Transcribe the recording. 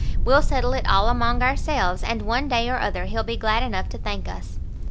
We'll settle it all among ourselves, and one day or other he'll be glad enough to thank us."